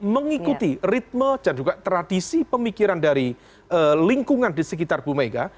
mengikuti ritme dan juga tradisi pemikiran dari lingkungan di sekitar bumega